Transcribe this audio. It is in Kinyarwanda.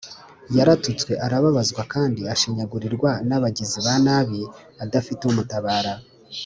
yaratutswe, arababazwa kandi ashinyagurirwa n’abagizi ba nabi adafite umutabara